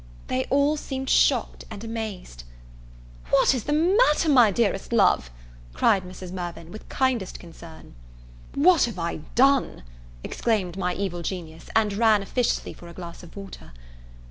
They all seemed shocked and amazed. "What is the matter, my dearest love?" cried Mrs. Mirvan, with kindest concern. "What have I done!" exclaimed my evil genius, and ran officiously for a glass of water.